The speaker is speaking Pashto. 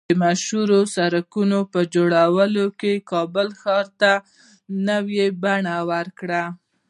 د مشهورو سړکونو په جوړولو یې کابل ښار ته نوې بڼه ورکړه